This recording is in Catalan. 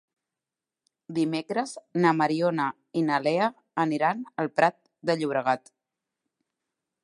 Dimecres na Mariona i na Lea aniran al Prat de Llobregat.